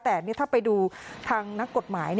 แต่ถ้าไปดูทางนักกฎหมาย